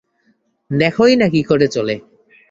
দ্যাখোই না কী করে চলে?